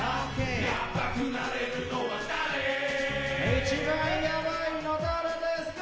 「一番ヤバいの誰ですか？」